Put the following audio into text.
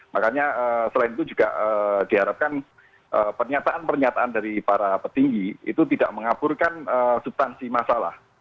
makanya selain itu juga diharapkan pernyataan pernyataan dari para petinggi itu tidak mengaburkan subtansi masalah